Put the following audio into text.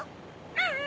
うん！